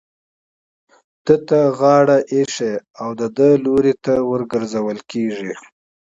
ده ته غاړه ايښې او د ده لوري ته ورگرځول كېږي.